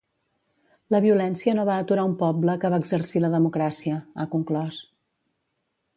“La violència no va aturar un poble que va exercir la democràcia”, ha conclòs.